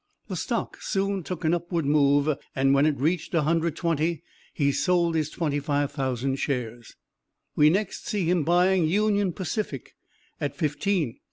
The stock soon took an upward move, and when it reached 120 he sold his twenty five thousand shares. We next see him buying Union Pacific at fifteen.